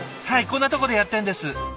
はいこんなとこでやってんです。